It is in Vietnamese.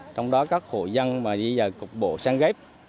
trong đó các hộ dân mà di dời cục bộ sang ghép